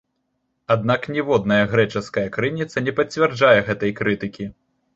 Аднак ніводная грэчаская крыніца не пацвярджае гэтай крытыкі.